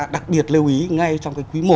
đặc biệt lưu ý ngay trong cái quý một